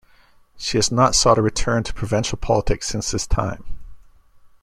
She has not sought a return to provincial politics since this time.